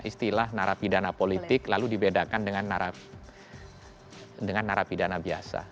istilah narapidana politik lalu dibedakan dengan narapidana biasa